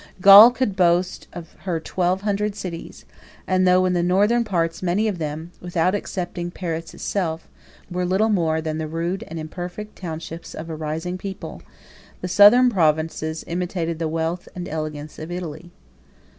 Gaul could boast of her twelve hundred cities; 75 and though, in the northern parts, many of them, without excepting Paris itself, were little more than the rude and imperfect townships of a rising people, the southern provinces imitated the wealth and elegance of Italy.